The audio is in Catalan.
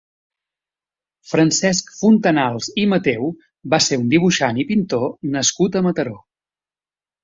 Francesc Fontanals i Mateu va ser un dibuixant i pintor nascut a Mataró.